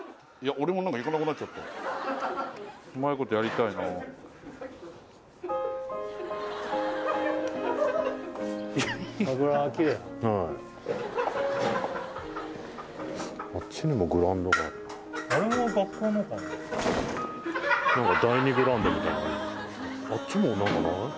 俺も何かいかなくなっちゃったうまいことやりたいなあっちにもグラウンドがあるなあれも学校のかな何か第２グラウンドみたいなあっちも何かない？